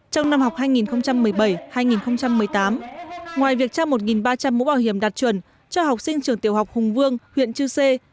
trong năm học hai nghìn một mươi bảy hai nghìn một mươi tám ngoài việc trao một ba trăm linh mũ bảo hiểm đạt chuẩn cho học sinh trường tiểu học hùng vương huyện chư sê